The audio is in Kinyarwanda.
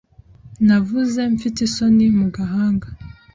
Navuze mfite isoni mu gahanga